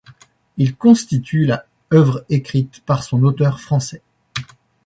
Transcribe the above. Il constitue la œuvre écrite par son auteur français.